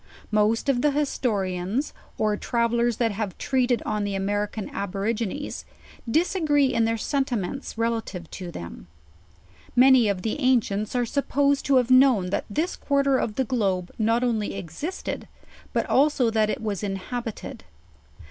Most of the historians, oj travel lers that have treated on the American Aborigines, disagree in their sentiments relative to them. Many of the ancients are supposed to have known that this quarter of the globe not only existed, bat also that k was inhabited.